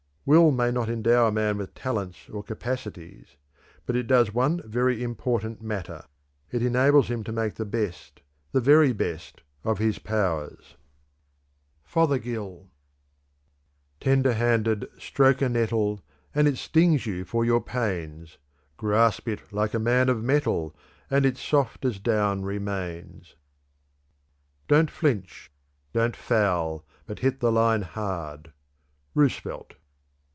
_ "Will may not endow man with talents or capacities; but it does one very important matter it enables him to make the best, the very best, of his powers." Fothergill. "Tender handed stroke a nettle, And it stings you for your pains. Grasp it like a man of mettle, And it soft as down remains." "Don't flinch; don't foul; but hit the line hard." _Roosevelt.